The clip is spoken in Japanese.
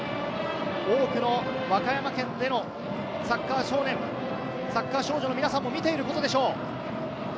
多くの和歌山県でのサッカー少年、サッカー少女の皆さんも見ていることでしょう。